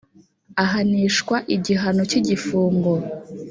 ahanishwa igihano cy igifungo